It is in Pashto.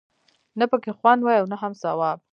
نه پکې خوند وي او نه هم ثواب.